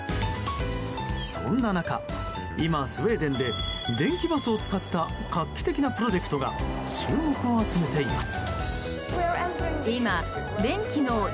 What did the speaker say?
そんな中、今スウェーデンで電気バスを使った画期的なプロジェクトが注目を集めています。